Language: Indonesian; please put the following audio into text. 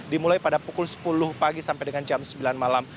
dimulai pada pukul sepuluh pagi sampai dengan jam sembilan malam